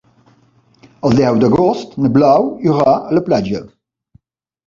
El deu d'agost na Blau irà a la platja.